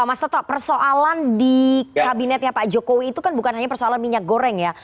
mas toto persoalan di kabinetnya pak jokowi itu kan bukan hanya persoalan minyak goreng ya